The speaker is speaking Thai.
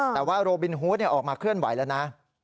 แต่ว่าโรบินฮูตออกมาเคลื่อนไหวแล้วนะ